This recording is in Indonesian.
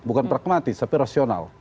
bukan pragmatis tapi rasional